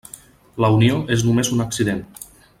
La Unió és només un accident.